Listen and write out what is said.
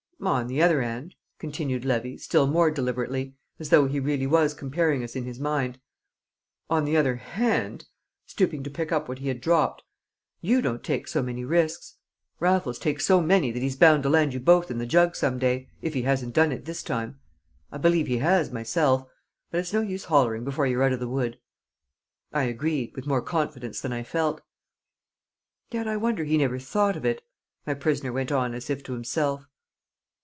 "On the other 'and," continued Levy, still more deliberately, as though he really was comparing us in his mind; "on the other hand" stooping to pick up what he had dropped, "you don't take so many risks. Raffles takes so many that he's bound to land you both in the jug some day, if he hasn't done it this time. I believe he has, myself. But it's no use hollering before you're out o' the wood." I agreed, with more confidence than I felt. "Yet I wonder he never thought of it," my prisoner went on as if to himself.